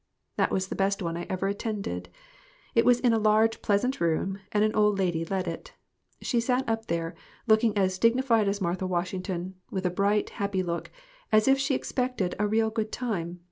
That was the best one I ever attended. It was in a large, pleasant room, and an old lady led it. She sat up there, looking as dignified as Martha Washington, with a bright, happy look, as if she expected a real good time.